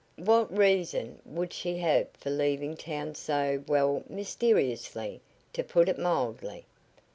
What reason would she have for leaving town so well, mysteriously, to put it mildly?"